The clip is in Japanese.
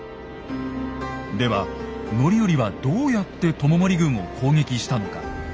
では範頼はどうやって知盛軍を攻撃したのか。